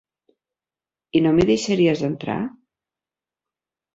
I no m'hi deixaries entrar?